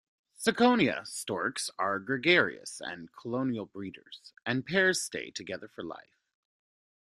"Ciconia" storks are gregarious and colonial breeders, and pairs stay together for life.